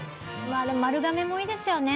まあでも丸亀もいいですよね。